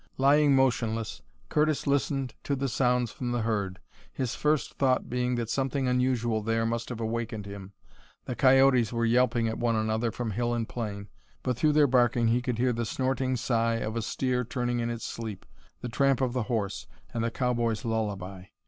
Lying motionless, Curtis listened to the sounds from the herd, his first thought being that something unusual there must have awakened him. The coyotes were yelping at one another from hill and plain, but through their barking he could hear the snorting sigh of a steer turning in its sleep, the tramp of the horse, and the cowboy's lullaby.